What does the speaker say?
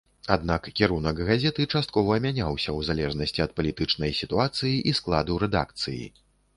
Аднак кірунак газеты часткова мяняўся ў залежнасці ад палітычнай сітуацыі і складу рэдакцыі.